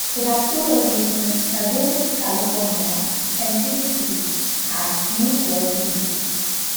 It has two locations in Southern California: Century City and Newport Beach.